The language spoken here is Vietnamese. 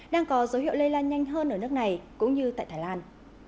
đang có dấu hiệu lây lan nhanh hơn ở nước này cũng như tại thái lan